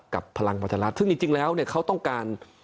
พลังประชารัฐซึ่งจริงแล้วเนี่ยเขาต้องการ